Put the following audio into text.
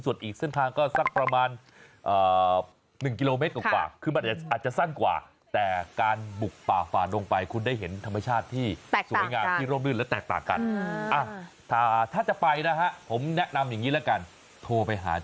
ส่วนอีกเส้นทางก็สักประมาณ๑กิโลเมตรกว่าคือมันอาจจะสั้นกว่า